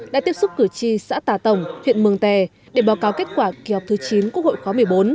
đã tiếp xúc cử tri xã tà tổng huyện mường tè để báo cáo kết quả kỳ họp thứ chín quốc hội khóa một mươi bốn